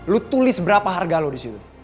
lo tulis berapa harga lo disitu